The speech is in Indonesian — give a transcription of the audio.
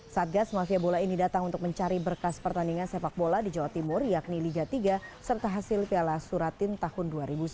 satgas mafia bola ini datang untuk mencari berkas pertandingan sepak bola di jawa timur yakni liga tiga serta hasil piala suratin tahun dua ribu sembilan belas